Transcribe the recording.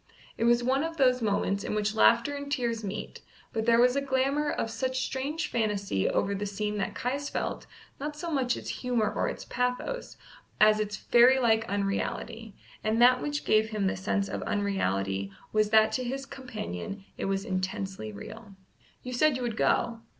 It was one of those moments in which laughter and tears meet, but there was a glamour of such strange fantasy over the scene that Caius felt, not so much its humour or its pathos, as its fairy like unreality, and that which gave him the sense of unreality was that to his companion it was intensely real. "You said you would go."